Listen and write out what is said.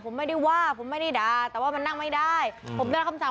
ผมไม่ได้ว่าผมไม่ได้ด่า